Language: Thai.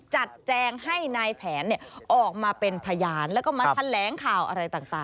จัดแจ้งให้นายแผนเนี่ยออกมาเป็นพยานแล้วก็มาทันแหลงข่าวอะไรต่าง